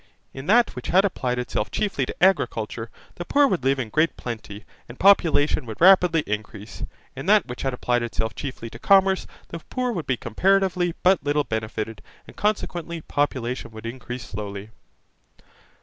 In that which had applied itself chiefly to agriculture, the poor would live in great plenty, and population would rapidly increase. In that which had applied itself chiefly to commerce, the poor would be comparatively but little benefited and consequently population would increase slowly.